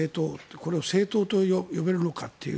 これを政党と呼べるのかという。